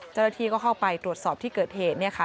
เจ้าหน้าที่ก็เข้าไปตรวจสอบที่เกิดเหตุ